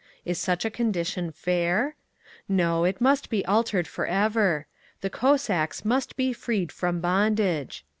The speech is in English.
Is such a condition fair? No, it must be altered for ever. THE COSSACKS MUST BE FREED FROM BONDAGE.